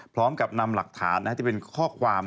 พร้อมกับนำหลักฐานที่เป็นข้อความ